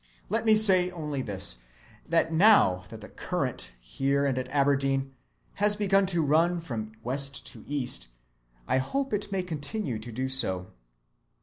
Let me say only this, that now that the current, here and at Aberdeen, has begun to run from west to east, I hope it may continue to do so.